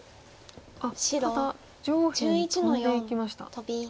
あっただ上辺にトンでいきました。